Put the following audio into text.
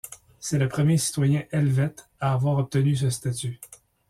C'est le premier citoyen helvète à avoir obtenu ce statut.